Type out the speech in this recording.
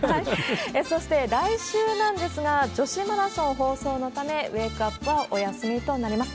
そして、来週なんですが、女子マラソン放送のため、ウェークアップはお休みとなります。